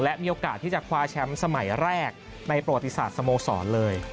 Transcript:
และมีโอกาสที่จะคว้าแชมป์สมัยแรกในประวัติศาสตร์สโมสรเลย